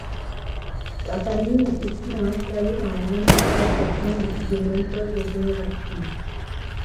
Sa famille était souvent installée dans la même exploitation depuis de nombreuses générations.